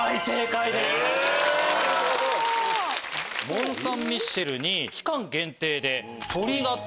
モン・サン＝ミシェルに期間限定で。